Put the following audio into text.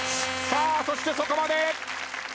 さあそしてそこまで！